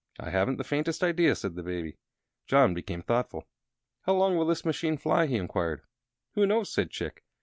"I haven't the faintest idea," said the Baby. John became thoughtful. "How long will this machine fly?" he inquired. "Who knows?" said Chick.